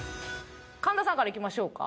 神田さんからいきましょうか。